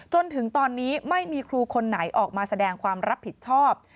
จนถึงตอนนี้ไม่มีครูคนไหนออกมาแสดงความรับผิดชอบ